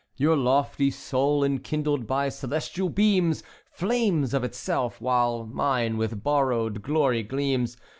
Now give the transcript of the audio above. Your lofty soul, enkindled by celestial beams, Flames of itself, while mine with borrowed glory gleams.